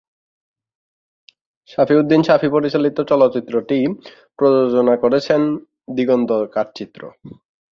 শাফি উদ্দিন শাফি পরিচালিত চলচ্চিত্রটি প্রযোজনা করেছেন দিগন্ত কাঠচিত্র।